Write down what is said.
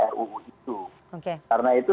ruu itu karena itu